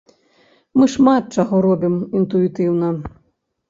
Мы шмат чаго робім інтуітыўна!